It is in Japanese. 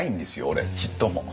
俺ちっとも。